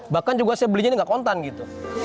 bahkan juga saya belinya ini gak kontan gitu